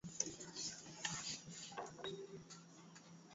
Mnyama aliyeathirika kukosa kula hivyo basi kiwango chake cha maziwa kupungua